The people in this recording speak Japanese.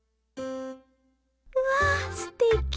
うわすてき。